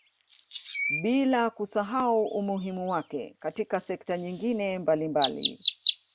Bila kusahau umuhimu wake katika sekta nyingine mbalimbali